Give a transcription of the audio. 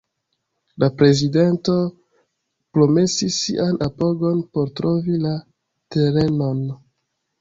La prezidento promesis sian apogon por trovi la terenon.